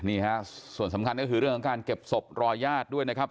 นี่ครับส่วนสำคัญก็คือเก็บสบรอยาศด้วยนะครับ